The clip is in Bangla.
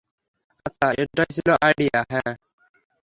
আচ্ছা, এটাই ছিল আইডিয়া, হ্যাঁ।